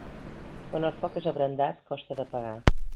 Quan el foc és abrandat, costa d'apagar.